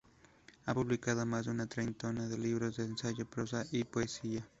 Ha publicado más de una treintena de libros de ensayo, prosa y poesía.